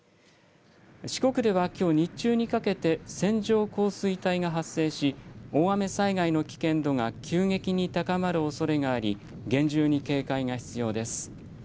四国ではきょう日中にかけて線状降水帯が発生し、大雨災害の危険度が急激に高まるおそれがあり、厳重に警戒が必要です。